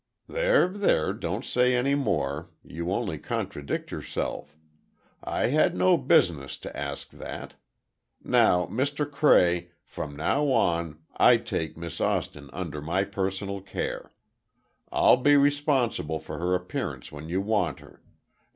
"There, there, don't say any more, you only contradict yourself. I had no business to ask that. Now, Mr. Cray, from now on, I take Miss Austin under my personal care. I'll be responsible for her appearance when you want her.